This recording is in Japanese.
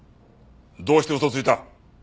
どうして嘘をついた？